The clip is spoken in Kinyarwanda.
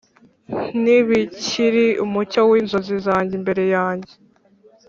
ntibikiri umucyo w'inzozi zanjye imbere yanjye,